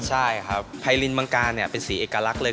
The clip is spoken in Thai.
ใช่ครับไพรินมังกาลเนี่ยเป็นสีเอกลักษณ์เลย